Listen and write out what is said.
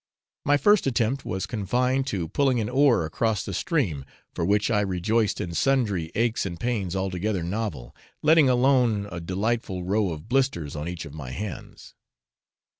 My first attempt was confined to pulling an oar across the stream, for which I rejoiced in sundry aches and pains altogether novel, letting alone a delightful row of blisters on each of my hands.